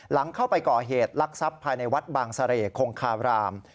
หลังเข้าไปก่อเหตุลักษัพภายในวัดบางเสร่คงคาราม